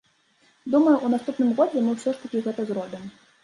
Думаю, у наступным годзе мы ўсё ж такі гэта зробім.